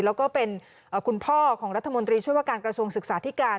แล้วก็เป็นคุณพ่อของรัฐมนตรีช่วยว่าการกระทรวงศึกษาธิการ